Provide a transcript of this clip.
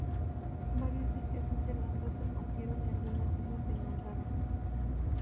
Varios diques de Zelanda se rompieron y algunas islas se inundaron.